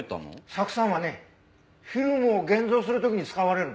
酢酸はねフィルムを現像する時に使われるの。